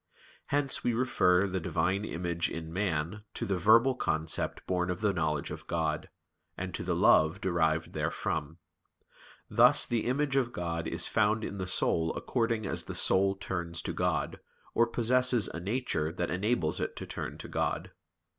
Hence we refer the Divine image in man to the verbal concept born of the knowledge of God, and to the love derived therefrom. Thus the image of God is found in the soul according as the soul turns to God, or possesses a nature that enables it to turn to God.